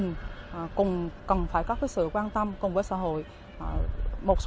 nhưng không có nhiều trẻ tham gia những kỹ năng cần thiết cho con trẻ